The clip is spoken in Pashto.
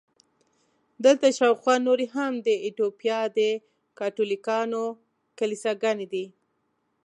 دلته شاوخوا نورې هم د ایټوپیا د کاتولیکانو کلیساګانې دي.